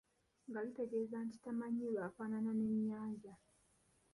Nga litegeeza nti tamanyiirwa, afaanana n'ennyanja.